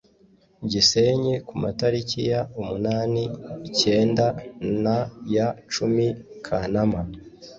gisenyi ku matariki ya umunani, icyenda n' ya cumi kanama